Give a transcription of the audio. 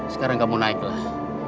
sekarang kamu naiklah